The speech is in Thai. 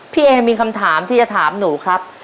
เอมีคำถามที่จะถามหนูครับ